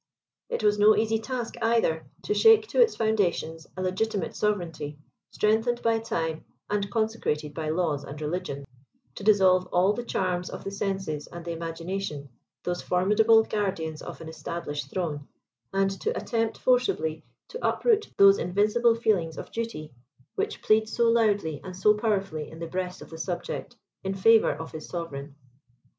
It was no easy task, either, to shake to its foundations a legitimate sovereignty, strengthened by time and consecrated by laws and religion; to dissolve all the charms of the senses and the imagination, those formidable guardians of an established throne, and to attempt forcibly to uproot those invincible feelings of duty, which plead so loudly and so powerfully in the breast of the subject, in favour of his sovereign.